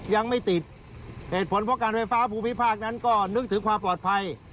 ยังไม่ติดเหตุผลเพราะการไฟฟ้าภูมิภาคนั้นก็นึกถึงความปลอดภัย